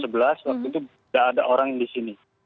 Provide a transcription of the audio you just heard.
waktu itu tidak ada orang di sini